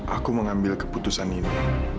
aku mengambil keputusan ini